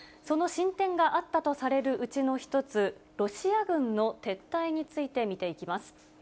その進展があったとされるうちの１つ、ロシア軍の撤退について見ていきます。